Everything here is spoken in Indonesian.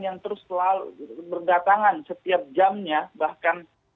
yang terus selalu berdatangan setiap jamnya bahkan